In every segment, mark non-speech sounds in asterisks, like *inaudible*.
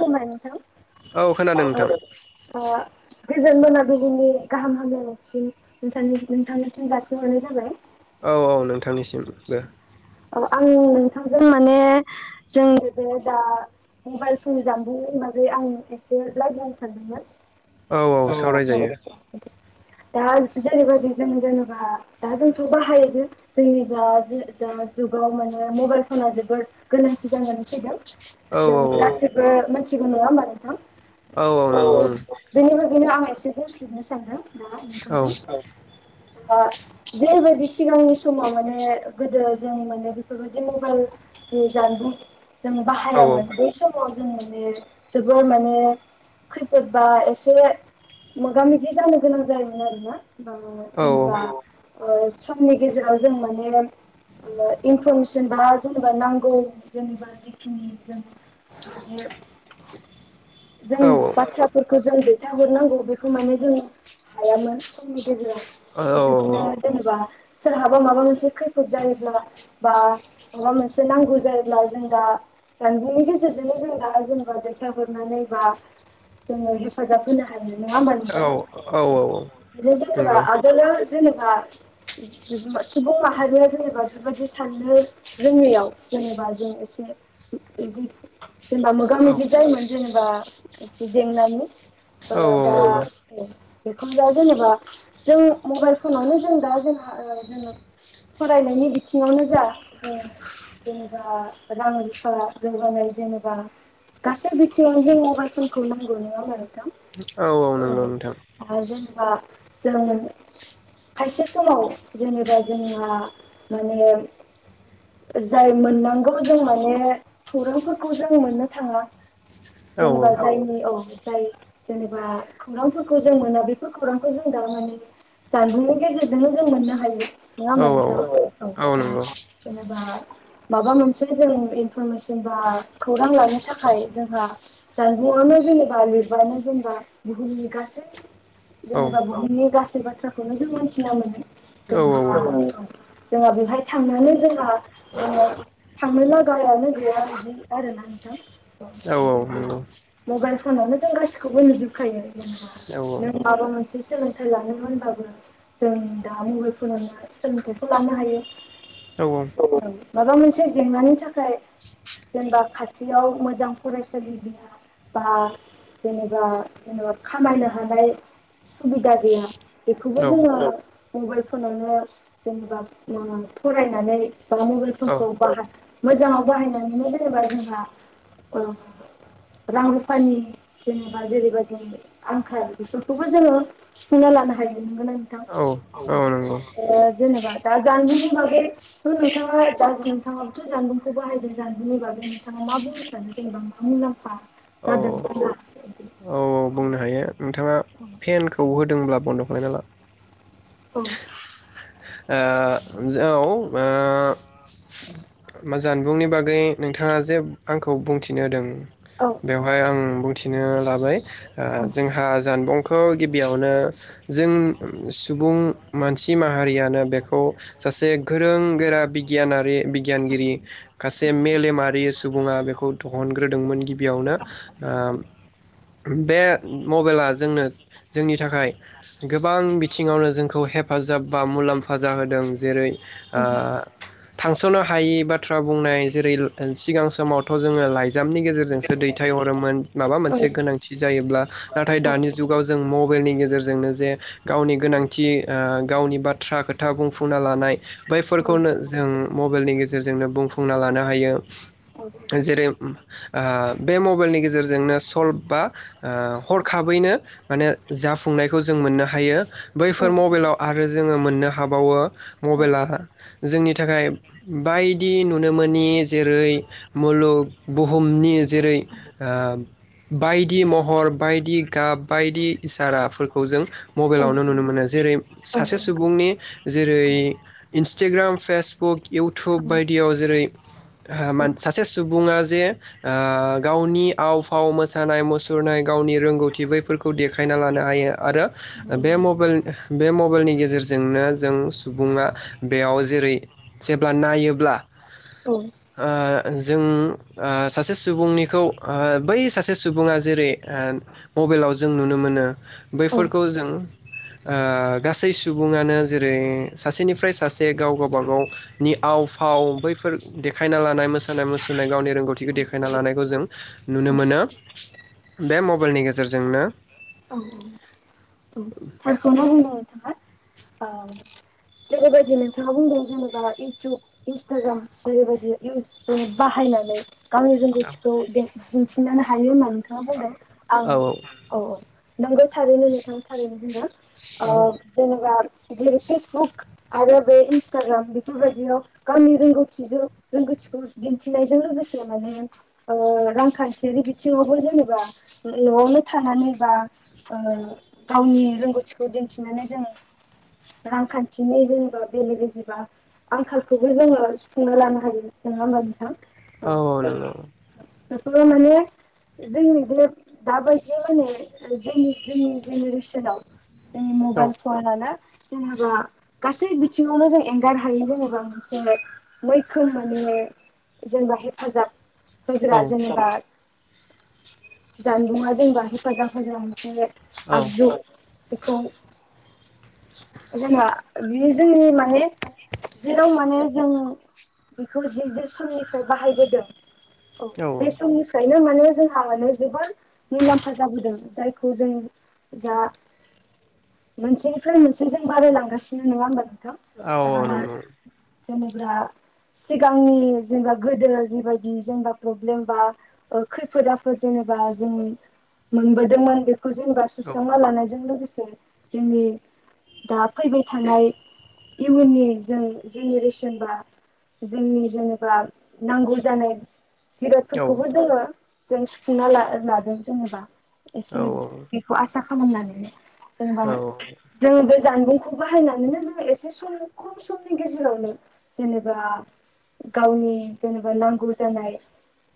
खोनाबाय नोंथां खोनादों औ नोंथां खोनादों। गोजोन मोनाबिनि गाहाम हामलायनायसिम नोंथांनिसिम जासिहरनाय जाबाय। औ औ नों थांनिसिमबो औ आं नोंथांजों माने जोंनि बे दा मबाइल फन जामबुंनि बागै आं एसे रायज्लायनो सानदोंमोन। औ औ सावरायजायो। दा जेनबा जों जेनबा दा जों बाहायो जे जोंनि दा दा जुगाव माने मबाइल फना जोबोद गोनांथि जानानै फैदों। औ जों औ औ गासिबो मिथिगौ नङा होमबा नोंथां। औ *unintelligible* बेखायनो आं एसे बुंस्लिबनो सानो *unintelligible* ओ औ जेरै बादि सिगांनि स माव माने गोदो जों माने बेफोरबायदि मबाइल जि जानबुं जों औ बाहायामोन बै समाव जों जे जोबोर माने खैफोद बा एसे मोगा मोगि जानो गोनां जायोमोन आरोना बा औ जेनेबा ओ समनि गेजेराव जों माने इनफरमेसन बा जेनेबा नांगौ जेनेबा जिखिनि जों माने जों औ बाथ्राफोरखौ जों खिन्थााहरनांगौ बेखौ माने जों हायामोन समनि गेजेराव बिदिनो जेनेबा सोरहाबा माबा मोनसे खै फोद जायोब्ला बा माबा मोनसे नांगौ जायोब्ला जों दा जानबुंनि गेजेरजोंनो जों दा जेनेबा दैथायहरनानै बा जोङो हेफाजाब होनो हायो नोङा होनबा नोंथां औ औ औ जे जेनेबा नंगौ आगोलो जेनेबा सुबुं माहारिया जेनेबा बेबायदि साननो रोङैयाव जेनेबा जों एसे बिदि जेनेबा मोगा मोगि औ जायोमोन जेनेबा जेंनानि ओ औ औ दा नंगौ बेखौ दा जेनेबा जों मबाइल फनावनो जों दा जेनेबा जों फरायनायनि बिथिङावनो जा जों जेनेबा रां रुफा जौगानाय जेनेबा गासै बिथिङावनो जों मबाइलफोरखौ नांगौ नङा होमबा नोंथां औ औ नंगौ नोंथां औ जेनेबा जों खायसे समाव जेनेबा जोंहा माने जाय मोननांगौ जों माने खौरांफोरखौ जों मोननो थाङा औ औ जेनेबा जायनि औ दाय जेनेबा खौरांफोरखौ जों मोना बेफोर खौरांखौ जों तारमाने जानबुंनि गेजेरजोंनो जों मोनो हायो नङा होनबा औ औ नंगौ औ औ नंगौ औ नोंथां नंगौ औ माबा मोनसे जों इनफरमेसन बा खौरां लानो थाखाय जोंहा जानबुंनो जेनेबा लिरबानो जेनेबा बुहुमनि गासै जेनेबा बुहुमनि गासै बाथ्राखौनो जों मिथिना मोनो जोंहा जोंहा बेवहाय थांनानै जोंहा जोंहा थांनो लागायानो गैया बिदि आरोना नोंथां जेन मबाइल फनावनो जों गासिखौबो नुजोबखायो जेनेबा नों माबा मोनसे सोलोंथाइ लानो होनबाबो जों दा मबाइल फोरोंनो सोलोंथाइखौ लानो हायो माबा मोनसे जेंनानि थाखाय जेनेबा खाथियाव मोजां फरायसालि गैया बा जेनेबा जेनेबा खामायनो हानाय सुबिदा गैया बेखौबो जोङो मबाइल फनावनो जेनेबा फरायनानै बा मबाइल फनखौ बाह मोजाङाव बाहायनानैनो जेनेबा जोंहा रां रुफानि जेनेबा जेरैबायदि आंखाल बेफोरखौबो जोङो सुफुंना लानो हायो नोंगोन आ नोंथां औ नंगौ जेनेबा दा जानबुंनि बागै नोंथाङा नोंथाङाबोथ' जानबुंखौ बाहायदों जानबुंनि बागै नोंथाङा मा बुंनो सानो जेनेबा मा मुलाम्फा औ औ जादों औ बुंनो हायो नोंथाङा फेनखौ होदोंब्ला बन्द' खाायना ला औ औ जानबुंनि बागै नोंथाङा जे आंखौ बुंथिनो होदों औ बेवहाय आं बुं मिथिनो लाबाय जोंहा जानबुंखौ गिबियावनो जों सुबुं मानसि माहारिया म बेखौ सासे गोरों गोरा बिगियानारि बिगियानगिरि सासे मेलेमारि सुबुङा बेखौ दिहुनग्रोदोंमोन गिबियावनो बे मबाइला जोंनो जोंनि थाखाय गोबां बिथिङावनो जोंखौ हेफाजाब बा मुलाम्फा हेफाजा होदों जेरै ओ थांस'नो हायि बाथ्रा बुंनाय जेरै सिगां समावथ' जोङो लाइजामनि गेजेरजोंसो दैथायहरोमोन माबा औ मोनसे गोनांथि जायोब्ला नाथाय दानि जुगाव जों मबाइलनि गेजेरजोंनो ज जे गावनि गोनांथि ओ गावनि बाथ्रा खोथा खोथा बुंफुंना लानाय बैफोरखौनो जों मबाइलनि गेजेरजों गेजेरजोंनो बुंफुंना लानो हायो। जेरै बे मबाइलनि गेजेरजोंनो सल्भ बा हरखाबैनो माने जाफुंनायखौ जों मोननो हायो बैफोर मबाइलाव आरो जोङो मोननो ह मबाइला जोंनि थाखाय बायदि नुनो मोनोनि जेरै मुलुग बुहुमनि जेरै बायदि महर बायदि गाब बायदि इसाराफोरखौ जों मबाइलावनो नुनो मोनो जेरै सासे सुबुंनि जेरै थारखौनो इन्सटाग्राम फेसबुक इउटुब बायदियाव जेरै सासे सुबुङा जे गावनि आव फाव मोसानाय मुसुरनाय गावनि रोंगौथि बैफोरखौ देखायना लानो हायो आरो बे मबाइलनि बे मबाइलनि गेजेरजोंनो जों सुबुङा बेयाव जेरै जेब्ला नायोब्ला ओ जों ओ सासे सुबुंनिखौ ओ बै सासे सुबुङा जेरै ओ मबाइलाव जों नुनो मोनो बैफोरखौ जों ओ गासै सुबुङानो जेरै सासेनिफ्राय सासे गाव गावबागावनि आव फाव बैफोर देखायना लानाय मोसानाय-मुसुरनाय गावनि रोंगौथिखौ देखायना लानायखौ जों नुनो मोनो बे मबाइलनि गेजेरजोंनो औ थारखौनो होनो नोंथाङा ओ जेरैबायदि नोंथाङा ओ बुंदों जेनेबा इउटुब इन्सटाग्राम जेरैबायदि जों बाहायनानै गावनि रोंगौथिखौ देखायनो दिनथिनानै हायो होनना नोंथाङा बुंदों आं औ औ औ नोंगौ थारैनो नोंथां थारैनो बुंदो अ औ जेनेबा जेरै फेसबुक आरो बे इन्सटाग्राम बेफोरबायदियाव गावनि रोंगौथिजों रोंगौथिखौ दिनथिनायजों लोगोसे माने ओ रांखानथियारि बिथिङावबो जेनेबा न'आवनो थानानै बा ओ गावनि रोंगौथिखौ दिनथिनानै जों रांखानथिनि जेनेबा बेले बेजेबा आंखालखौबो जोङो सुफुंना लानो हायो नङा होमबा नोंथां औ औ नंगौ बेखौ माने जोंनि बे दाबायदि माने जोंनि जोंनि जेनेरेसनाव जोंनि औ मबाइल फन आला *unintelligible* जेनेबा गासै बिथिङावनो जों एंगार हायै जेनोबा मोनसे मैखोम माने जेनेबा हेफाजाब गुज *unintelligible* औ राजानि *unintelligible* ब *unintelligible* जानबुंङा जेनेबा हेफाजाब होग्रा मोनसे औ एप आगजु बेखौ जेनेबा बे जोंनि मा जेराव माने जोङो बेखौ जों जे साननिफ्राय बाहायबोदों औ बे समनिफ्राय नो माने जोंहा माने जोबोद मुलामफा जाबोदों जायखौ जों जा मोनसेनिफ्राय मोनसेजों बारायलांगासिनो नङा होमबा नोंथां औ औ दा नंगौ जेनेबा सिगांनि जेनेबा गोदो जिबायदि जेनेबा प्रब्लेम बा खैफोद आफोद जेनेबा जों मोनबोदोंमोन बेखौ जेनबा औ सुस्रांना लानाय जों लोगोसे जोंनि दा फैबाय थानाय इयुननि जों जेनेरेसन बा जोंनि जेनेबा नांगौ जानाय औ बिरादफोरखौबो जोङो जों सुफुंना लादों जेनेबा एसे बेखौ आसा *unintelligible* *unintelligible* जेनबा जों बे जानबुंखौ बाहायनानैनो जोंङो एसे सम खम समनि गेजेरावनो जेनेबा गावनि जेनेबा नांगौ जानाय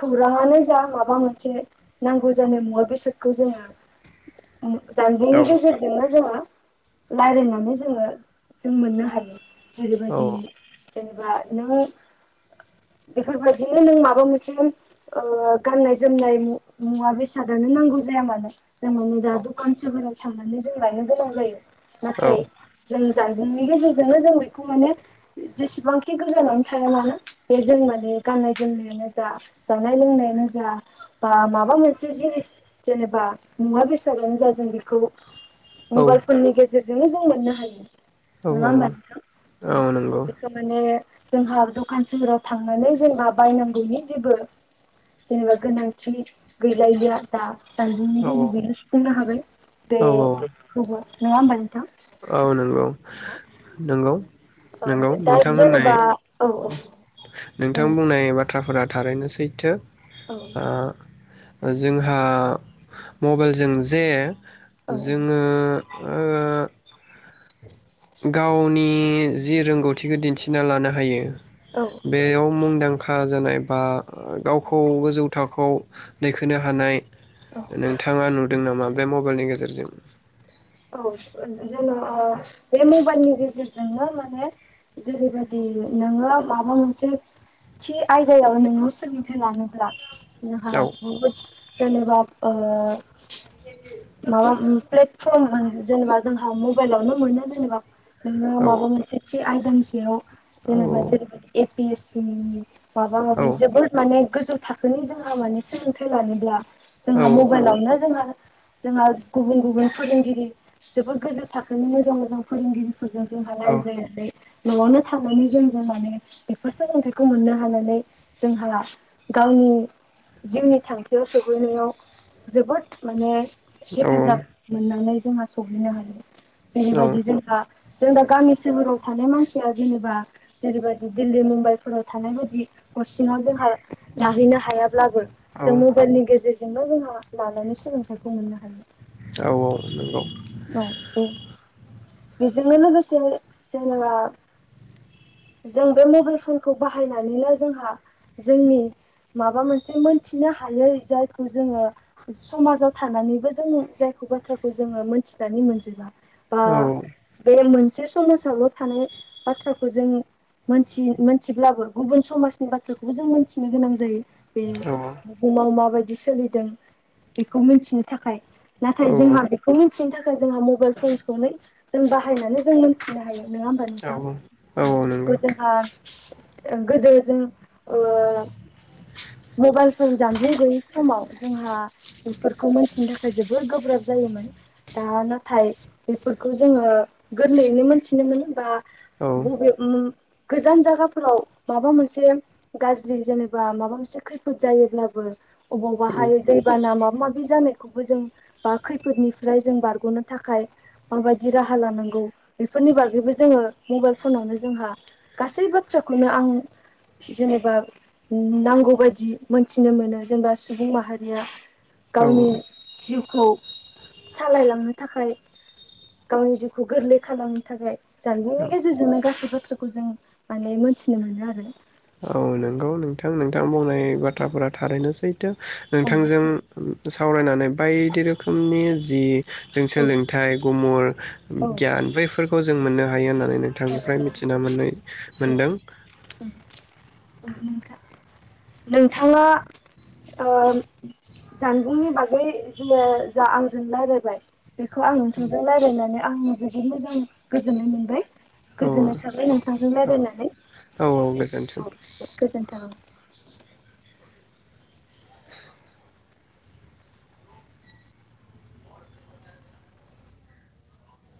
खौरांङानो जा माबा मोनसे नांगौ जानाय मुवा बेसादखौ जोंङो जानबुंनि गेजेरजोंनो जों रायज्लायनानै जोंङो जों मोननो हायो जेरैबायदि जेनेबा नों बेफोरबायदिनो नों माबा मोनसे ओ गाननाय - जोमनाय मुवा बेसादानो नांगौ जाया मानो *unintelligible* *unintelligible* थांनानै जों लायनो गोनां जायो नाथाय जों जानबुंनि गेजेरजों जों बेखौ माने जेसेबां गोजानाव थायामानो जों माने गानाय - जोमनाय जा जानाय - लोंनायानो जा बा माबा मोनसे जिनिस जेनेबा मुवा बेसाद जों बेखौ मबाइल फननि गेजेर गेजेर जोंनो जों मोननो हायो। नंङा होनबा नोंथां। नंगौ बेखौ माने जोंहा दखानसिम सोहोराव थांनानै जोंहा बायनांगौनि जेबो जेनेबा गोनांथि गैलायलिया दा औ जानबुंनि गेजेरजोंनो सुफुंनो हाबाय। औ बे औ नंङा होनबा औ नंगौ नंगौ नंगौ औ दा नोंथां होननाय जेनेबा औ नोंथां बुंनाय बाथ्रा फोरा थारैनो सैथो। आ जोंहा मबाइलजों जे औ जोंङो ओ गावनि जि रोंगौथिखौ दिन्थिना लानो हायो। औ बेयाव मुंदां खा जानाय बा गावखौ गोजौ थाखोआव दैखोनो हानाय औ नोंथांङा नुदों नामा बे म बेलनि गेजेरजों औ जों ओ बे मबाइलनि गेजेरजोंनो माने जेरैबायदि नोङो माबा मोनसे थि आयदायाव नोङो सोलोंथाइ लानोब्ला नोंहा औ बुहुद जेनेबा ओ *inaudible* फर्म होन जेनेबा जोंहा मबाइलावनो मोनो जेनेबा। नोङो औ माबा मोनसे थि आय दानि सायाव औ जेनेबा जेरै बायदि एप बेसि *unintelligible* माबा औ माबि जोबोद माने गोजौ थाख- खोनि जोंहा माने सोंलोंथाइ खौ लानोब्ला औ जोंहा मबाइलावनो जोंहा जोंहा गुबुन गुबुन फोरोंगिरि जोबोद गोजौ थाखोनो मोजां मोजां फोरोंगिरि फोरजों जोंहा रायज्लायनानै न'आवनो थांनानै जोंबो माने बेफोर सोलोंथाइखौ मोननो हानानै जोंहा गावनि जिउनि थांखियाव सहैनायाव जोबोद माने हेफाजाब औ मोननानै जोंहा सहैनो हागोन जेरैबायदि जोंहा जों दा गामि सोहोराव थानाय मानसिया जेनेबा जेरैबादि दिल्ली मुम्बाइफोराव थानाय बादि करसिङाव जोंहा लाहैनो हायाब्लाबो औ जों मबाइलनि गेजेज जोंनो जोंहा लानानै सोलोंथाइखौ मोननो हायो। औ औ नंगौ बिजोंनो लोगोसे जेनबा जों बे मबाइल फोरखौ बाहायनानैनो जोंहा जोंनि माबा मोनसे मोनथिनो हायै जायखौ जोङो समाजाव थानानैबो जों जायखौ बाथ्राखौ जोङो मोनथिनानै मोनजोबा औ बा बे मोनसे समाजावल' थानाय बाथ्राखौ जों मोनथि मोनथिब्लाबो गुबुन समाजनि बाथ्राखौबो जों मोनथिनो गोनां जायो। बे बुहुमाव माबाय दि सोलिदों बेखौ मोनथिनो थाखाय नाथाय औ जोंहा बेखौ थिनो थाखाय जोंहा मबाइल फन्सखौनो जों बाहायनानै जों मोनथिनो हायो। नोङा होनबा औ नोंथां औ औ बो नंगौ जोंहा ओं गोदो जों ओ मबाइलफोन जानबुं गैयि समाव जोंहा बेफोरखौ मोनथिनो थाखाय जबोर गोब्राब जायोमोन दा नाथाय बेफोरखौ जोङो गोरलैयैनो मोनथिनोमोनो बा औ बबे उम गोजान जागाफोराव माबा मोनसे गाज्रि जेनेबा माबा मोनसे खैफोद जायोब्लाबो औ अबावबाहाय दैबाना माब माबि जानायखौबो जों बा खैफोदनिफ्राय जों बारग'नो थाखाय माबायदि राहा लानांगौ बेफोरनि बागैबो जोङो मबाइल फनावनो जोंहा गासै बाथ्राखौनो आं जेनेबा नांगौबायदि मोनथिनो मोनो जेनेबा सुबुं माहारिया औ गावनि जिउ खौ सालायलांनो थाखाय गावनि जिउखौ गोरलै खालामनो थाखाय औ जानबुंनि गेजेरजोंनो गासैबो खौ जों माने मोनथिनो मोनो आरो औ नंगौ नोंथां नोंथां बुंनाय बाथ्राफोरा थारैनो सैथो नोंथांजों सावरायनानै बायदि रोखोमनि जि जों औ सोलोंथाइ गुमुर औ गियान बैफोरखौ जों मोननो हायो ना नानै औ नोंथांनिफ्राय मिथिना मोन मोनदों औ नोंथां नोंथाङा जानबुंनि बागै जोङो जा आंजों राय्लायबाय बेखौ आं नोंथांजों रायज्लायनानै आं जोबोद मोजां गोजोननाय मोनबाय औ गोजोन्नाय थाबाय नोंथांजों औ राय्लायनानै औ औ औ गोजोन्थों। गोजोनथों